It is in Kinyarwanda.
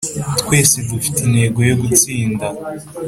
Twese dufite intego yo gutsinda